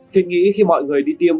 thì nghĩ khi mọi người đi tiêm